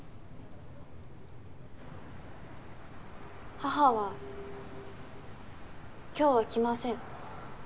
母は今日は来ません。